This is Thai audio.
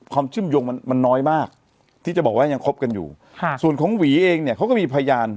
เชื่อมโยงมันมันน้อยมากที่จะบอกว่ายังคบกันอยู่ค่ะส่วนของหวีเองเนี่ยเขาก็มีพยาน